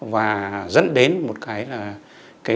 và dẫn đến một cái là